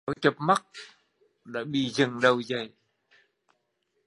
Mới chợp mắt đã bị dựng đầu dậy